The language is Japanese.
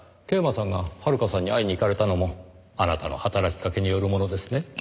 桂馬さんが遥さんに会いにいかれたのもあなたの働きかけによるものですね？